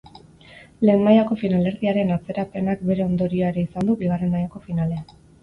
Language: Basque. Lehen mailako finalerdiaren atzerapenak bere ondorioa ere izan du bigarren mailako finalean.